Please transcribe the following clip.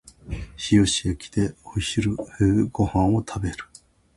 日吉駅でお昼ご飯を食べる